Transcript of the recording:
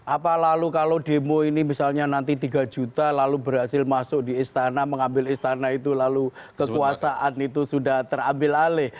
apa lalu kalau demo ini misalnya nanti tiga juta lalu berhasil masuk di istana mengambil istana itu lalu kekuasaan itu sudah terambil alih